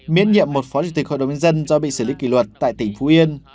miễn nhiệm một phó chủ tịch hội đồng nhân dân do bị xử lý kỷ luật tại tỉnh phú yên